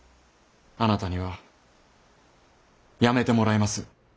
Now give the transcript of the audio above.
あなたには辞めてもらいます。